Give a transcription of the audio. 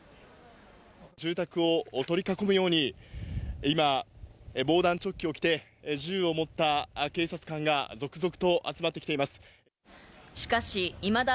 住宅を取り囲むように今、防弾チョッキを着て銃を持った警察官が続々と集まってきています。